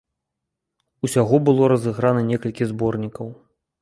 Усяго было разыграна некалькі зборнікаў.